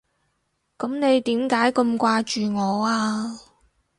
噉你點解咁掛住我啊？